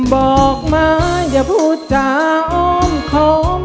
บอกมาอย่าพูดจาอ้อมคอม